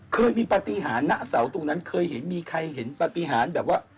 เคยมีปฏิหารณเสาตรงนั้นเคยเห็นมีใครเห็นปฏิหารแบบว่า